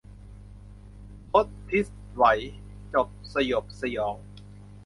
ทศทิศไหวจบสยบสยอง